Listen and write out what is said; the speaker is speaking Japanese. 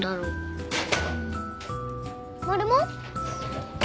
・マルモ？